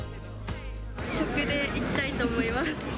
食でいきたいと思います。